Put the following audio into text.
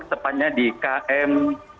tepatnya di km enam ratus tujuh puluh dua